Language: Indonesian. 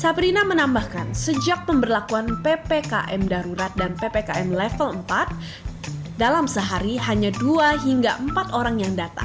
sabrina menambahkan sejak pemberlakuan ppkm darurat dan ppkm level empat dalam sehari hanya dua hingga empat orang yang datang